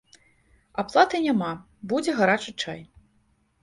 Аплаты няма, будзе гарачы чай.